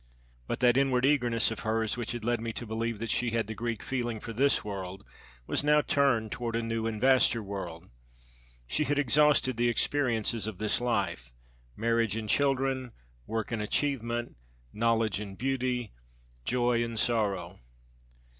But that inward eagerness of hers which had led me to believe that she had the Greek feeling for this world was now turned toward a new and vaster world. She had exhausted the experiences of this life marriage and children, work and achievement, knowledge and beauty, joy and sorrow.